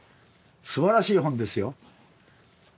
素晴らしい本ですよ。